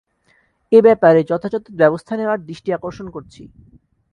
এ ব্যাপারে যথাযথ ব্যবস্থা নেওয়ার দৃষ্টি আকর্ষণ করছি।